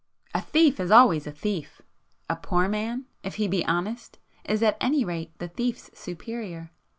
A thief is always a thief,—a poor man, if he be honest, is at any rate the thief's superior.